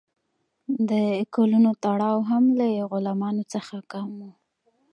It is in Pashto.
د کولونو تړاو هم له غلامانو څخه کم و.